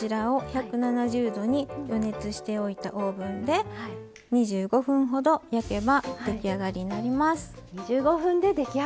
そして、１７０度に予熱しておいたオーブンで２５分ほど焼けば出来上がりになります。